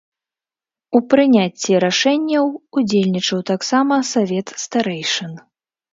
У прыняцці рашэнняў удзельнічаў таксама савет старэйшын.